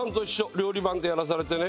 料理番でやらされてね。